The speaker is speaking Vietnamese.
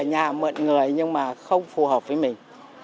ở nhà mượn người nhưng mà không phù hợp với mình